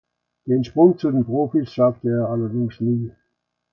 Den Sprung zu den Profis schaffte er allerdings nie.